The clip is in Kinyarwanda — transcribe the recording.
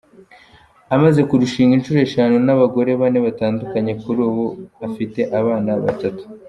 Amaze kurushinga inshuro eshanu n’abagore bane batandukanye, kuri ubu afite abana batatu.